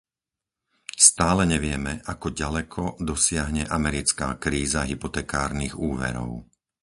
Stále nevieme, ako ďaleko dosiahne americká kríza hypotekárnych úverov.